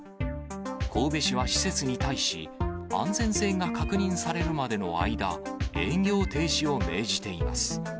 神戸市は施設に対し、安全性が確認されるまでの間、営業停止を命じています。